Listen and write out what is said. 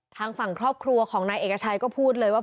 ทางฝั่งครอบครัวของนายเอกชัยก็พูดเลยว่า